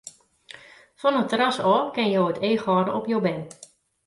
Fan it terras ôf kinne jo it each hâlde op jo bern.